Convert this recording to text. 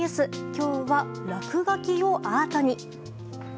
今日は落書きをアートに。